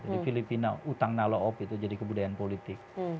di filipina utang nalo op itu jadi kebudayaan politik